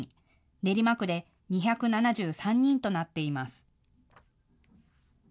練馬区で２７３人となっています。